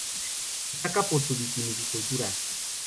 Destaca por su vitivinicultura.